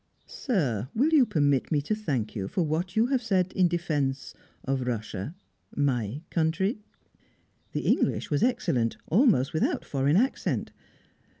"Sir, will you permit me to thank you for what you have said in defence of Russia my country?" The English was excellent; almost without foreign accent.